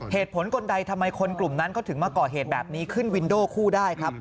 เหตุผลคนใดทำไมคนกลุ่มนั้นเขาถึงมาก่อเหตุแบบนี้ขึ้นวินโด่คู่ได้ครับ